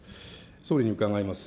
総理に伺います。